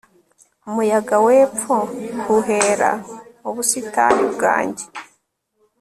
muyaga w'epfo! huhera mu busitani bwanjye